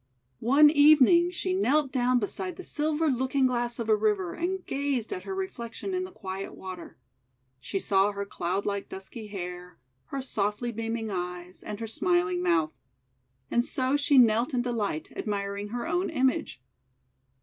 One evening she knelt down beside the silver looking glass of a river, and gazed at her re flection in the quiet water. She saw her cloud like dusky hair, her softly beaming eyes, and her smiling mouth. And so she knelt in de light, admiring her own image.